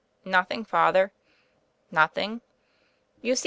"Nothing, Father." "Nothing?" "You see.